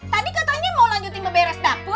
tadi katanya mau lanjutin ngeberes dapur